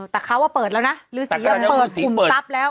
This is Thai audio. แต่เขาเปิดแล้วนะฤษียังเปิดขุมทรัพย์แล้ว